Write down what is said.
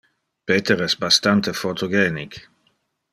Peter es bastante photogenic.